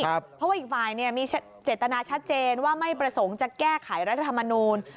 เพราะว่าอีกฝ่ายมีเจตนาชัดเจนว่าไม่ประสงค์จะแก้ไขรัฐธรรมนูล